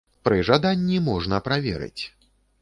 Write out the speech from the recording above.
Пры жаданні можна праверыць.